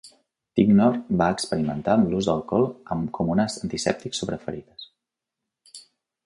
Tichenor va experimentar amb l'ús d'alcohol com un antisèptic sobre ferides.